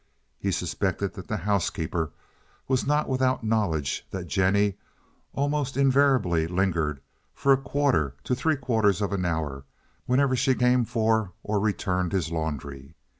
He suspected that the housekeeper was not without knowledge that Jennie almost invariably lingered from a quarter to three quarters of an hour whenever she came for or returned his laundry.